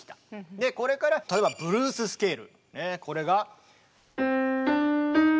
でこれから例えばブルーススケール。